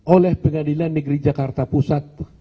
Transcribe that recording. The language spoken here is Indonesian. oleh pengadilan negeri jakarta pusat